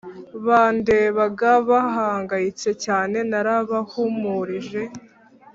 bandebaga bahangayitse cyane Narabahumurije